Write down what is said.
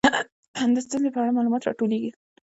د ستونزې په اړه معلومات راټولیږي.